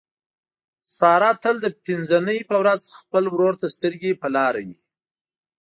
ساره تل د پینځه نۍ په ورخ خپل ورور ته سترګې په لاره وي.